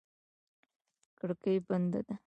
کړکۍ بنده ده.